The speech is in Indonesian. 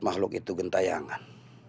makhluk itu gentayangan